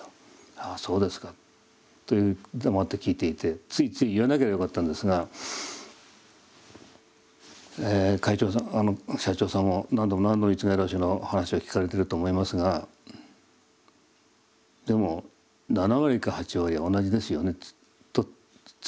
ああそうですかという黙って聞いていてついつい言わなきゃよかったんですが会長さん社長さんも何度も何度も逸外老師の話を聞かれてると思いますがでも７割か８割は同じですよねとつい口を滑らせた。